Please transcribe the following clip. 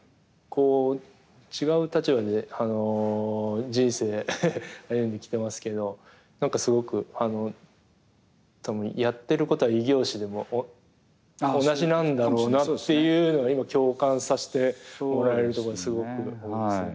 こう違う立場で人生歩んできてますけど何かすごく多分やってることは異業種でも同じなんだろうなっていう共感させてもらえるところがすごく多いですね。